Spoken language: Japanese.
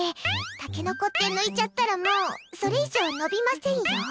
タケノコって抜いちゃったらもうそれ以上伸びませんよ。